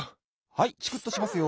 はいチクッとしますよ。